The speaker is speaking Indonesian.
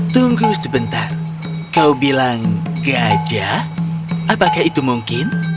tunggu sebentar kau bilang gajah apakah itu mungkin